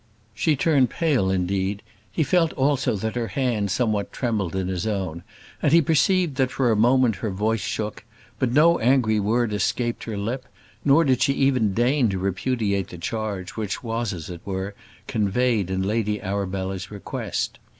She turned pale, indeed; he felt also that her hand somewhat trembled in his own, and he perceived that for a moment her voice shook; but no angry word escaped her lip, nor did she even deign to repudiate the charge, which was, as it were, conveyed in Lady Arabella's request.